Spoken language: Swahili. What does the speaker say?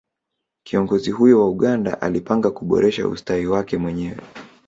kiongozi huyo wa Uganda alipanga kuboresha ustawi wake mwenyewe